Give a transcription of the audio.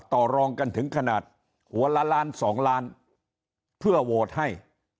ต่อรองกันถึงขนาดหัวละล้านสองล้านเพื่อโหวตให้